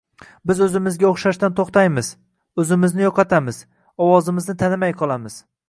Biz o‘zimizga o‘xshashdan to‘xtaymiz, o‘zimizni yo‘qotamiz, ovozimizni tanimay qolamiz.